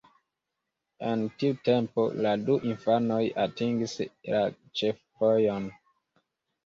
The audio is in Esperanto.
En tiu tempo la du infanoj atingis la ĉefvojon.